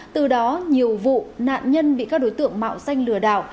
từ đó nhiều vụ nạn nhân bị các đối tượng mạo danh lừa đảo